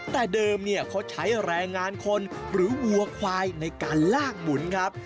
แต่เดิมเนี่ยเขาใช้แรงงานคนหรือวัวควายในการลากหมุนครับ